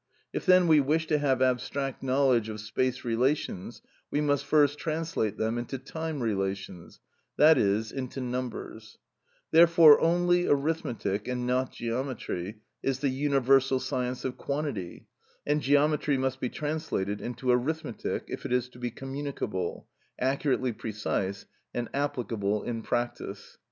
If then we wish to have abstract knowledge of space relations we must first translate them into time relations,—that is, into numbers; therefore only arithmetic, and not geometry, is the universal science of quantity, and geometry must be translated into arithmetic if it is to be communicable, accurately precise and applicable in practice.